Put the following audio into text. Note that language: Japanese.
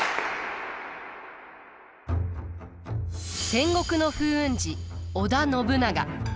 戦国の風雲児織田信長。